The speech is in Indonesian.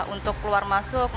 untuk keluar masuk